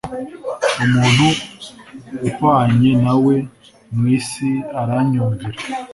umuntu uhwanye na we mu isi Aranyumvira